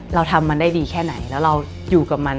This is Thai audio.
เราทำมันได้ดีแค่ไหนแล้วเราอยู่กับมัน